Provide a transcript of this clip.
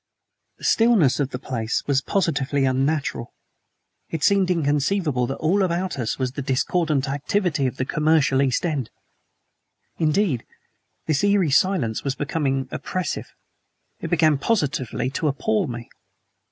The stillness of the place was positively unnatural; it seemed inconceivable that all about us was the discordant activity of the commercial East End. Indeed, this eerie silence was becoming oppressive; it began positively to appall me.